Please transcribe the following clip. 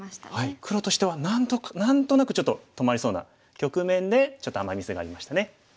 黒としては何となくちょっと止まりそうな局面でちょっとアマ・ミスがありましたね。